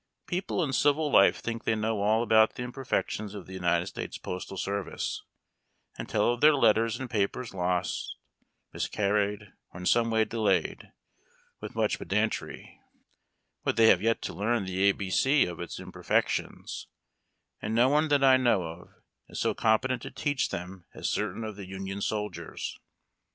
People in civil life think they know all about the imperfections of the United States postal service, and tell of their letters and papers lost, miscarried, or in some way delayed, with much pedantry ; but they have yet to learn the A B C of its imperfections, and no one that I know^ of is so competent to teach them as certain of the Union soldiers.